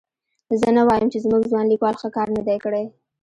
زه نه وایم چې زموږ ځوان لیکوال ښه کار نه دی کړی.